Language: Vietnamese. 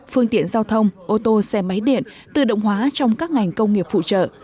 phương tiện giao thông ô tô xe máy điện tự động hóa trong các ngành công nghiệp phụ trợ